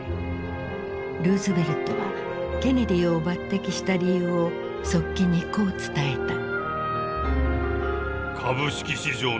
ルーズベルトはケネディを抜てきした理由を側近にこう伝えた。